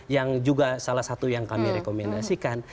yang juga salah satu yang kami rekomendasikan